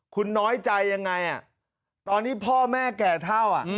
คุณน้อยใจยังไงตอนนี้พ่อแม่แก่เท่า